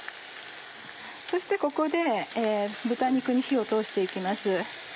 そしてここで豚肉に火を通して行きます。